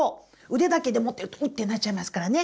腕だけで持ってるとウッてなっちゃいますからね。